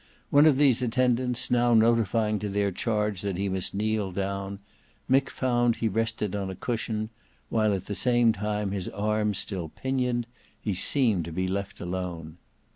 One of these attendants now notifying to their charge that he must kneel down, Mick found he rested on a cushion, while at the same time his arms still pinioned, he seemed to be left alone.